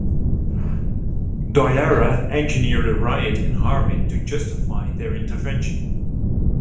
Doihara engineered a riot in Harbin to justify their intervention.